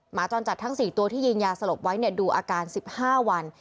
หมาจรจัดทั้ง๔ตัวที่ยิงยาสลบไว้ดูอาการ๑๕วัน